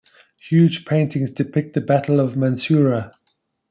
Huge paintings depict the Battle of Mansoura.